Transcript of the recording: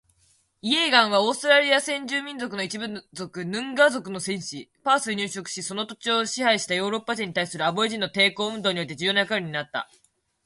イェーガンは、オーストラリア先住民族の一部族ヌンガー族の戦士。パースに入植しその地を支配したヨーロッパ人に対するアボリジニの抵抗運動において重要な役割を担った。入植者を何度も襲撃したイェーガンには生死を問わない懸賞金がかけられ